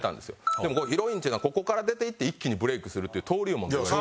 でもこのヒロインっていうのはここから出ていって一気にブレイクするという登龍門のような。